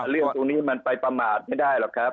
เรื่องตรงนี้มันไปประมาทไม่ได้หรอกครับ